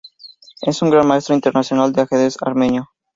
Es un Gran Maestro Internacional de ajedrez armenio.